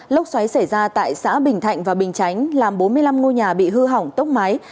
lốc xoáy xảy ra tại xã bình thạnh và bình chánh làm bốn mươi năm ngôi nhà bị hư hỏng tốc mái